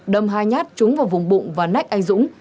đâm hai nhát trúng vào vùng bụng và nách anh dũng